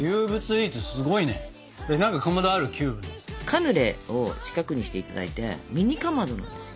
カヌレを四角にしていただいてミニかまどなんですよ。